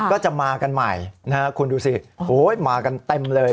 ก็จะมากันใหม่นะฮะคุณดูสิมากันเต็มเลย